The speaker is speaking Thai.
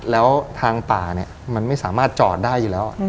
แล้วทางป่าเนี่ยมันไม่สามารถจอดได้อยู่แล้ว